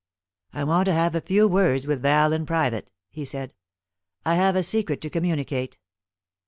"I want to have a few words with Val in private," he said; "I have a secret to communicate.